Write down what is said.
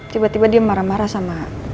tiba tiba dia marah marah sama